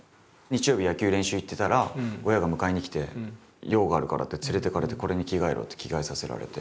日曜日野球練習行ってたら親が迎えにきて用があるからって連れていかれてこれに着替えろって着替えさせられて。